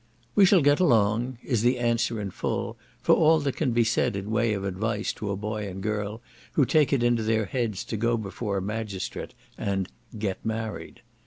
"We shall get along," is the answer in full, for all that can be said in way of advice to a boy and girl who take it into their heads to go before a magistrate and "get married."